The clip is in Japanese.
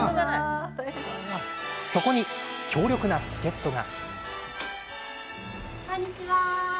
そこに、強力な助っとが。